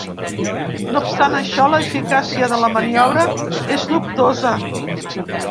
No obstant això, l’eficàcia de la maniobra és dubtosa.